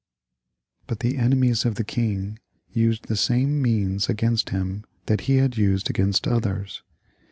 But the enemies of the king used the same means against him that he had used against others.